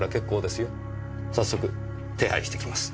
早速手配してきます。